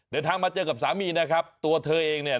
มาเจอกับสามีนะครับตัวเธอเองเนี่ย